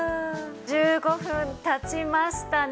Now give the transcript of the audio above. １５分経ちましたね。